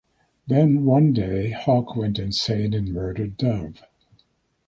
Then one day, Hawk went insane and murdered Dove.